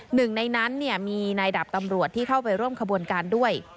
หนึ่งในนั้นมีนายดาบตำรวจที่เข้าไปร่วมขบวนการด้วย